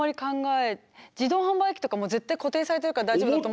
自動販売機とかも絶対固定されてるから大丈夫だと思った。